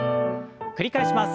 繰り返します。